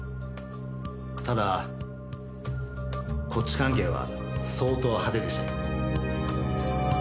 ただこっち関係は相当派手でしたけど。